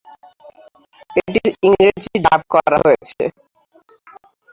এটির ইংরেজি ডাব করা হয়েছে।